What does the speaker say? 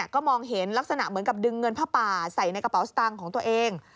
ก็มองเห็นลักษณะเหมือนกับดึงเงินผ้าป่าใส่ในกระเป๋าสตางค์ของตัวเอง